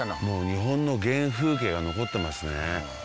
もう日本の原風景が残ってますね。